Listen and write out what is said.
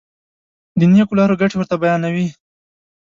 د نېکو لارو ګټې ورته بیانوي.